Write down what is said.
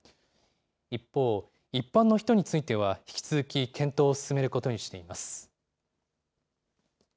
一方、一般の人については、引き続き検討を進めることにしています。